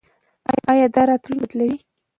ایا دا راتلونکی بدلوي؟